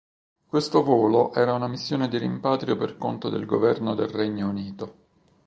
Questo volo era una missione di rimpatrio per conto del governo del Regno Unito.